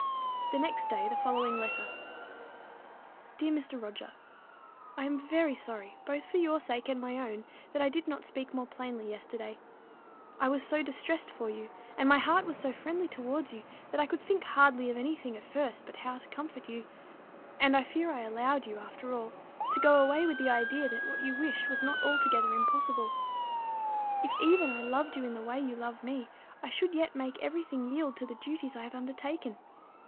The next day came the following letter: Dear Mr. Roger, I am very sorry, both for your sake and my own, that I did not speak more plainly yesterday. I was so distressed for you, and my heart was so friendly towards you, that I could hardly think of any thing at first but how to comfort you; and I fear I allowed you, after all, to go away with the idea that what you wished was not altogether impossible. But indeed it is. If even I loved you in the way you love me, I should yet make every thing yield to the duties I have undertaken.